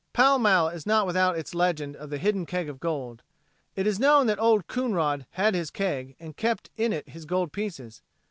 Pall Mall is not without its legend of the hidden keg of gold. It is known that Old Coonrod had his keg and kept in it his gold pieces.